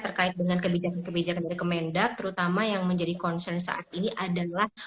terkait dengan kebijakan kebijakan dari kemendak terutama yang menjadi concern saat ini adalah